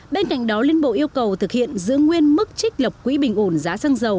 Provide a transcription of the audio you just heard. bên cạnh đó liên bộ yêu cầu thực hiện giữ nguyên mức trích lập quỹ bình ổn giá xăng dầu